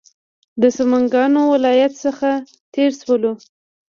د سمنګانو ولایت څخه تېر شولو.